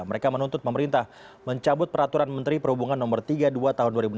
mereka menuntut pemerintah mencabut peraturan menteri perhubungan no tiga puluh dua tahun dua ribu enam belas